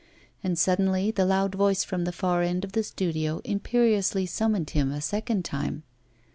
And suddenly the loud voice from the far end of the studio imperiously summoned him a second time.